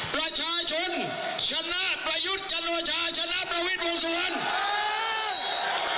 ประชาชนชนะประยุทธ์จันโอชาชนะประวิทย์วงสุวรรณ